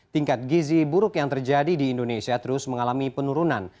tingkat gizi buruk yang terjadi di indonesia terus mengalami penurunan